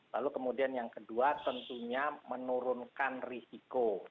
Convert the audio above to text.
lalu kemudian yang kedua tentunya menurunkan risiko